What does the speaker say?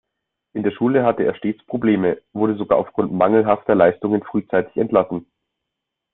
In der Schule hatte er stets Probleme, wurde sogar aufgrund mangelhafter Leistungen frühzeitig entlassen.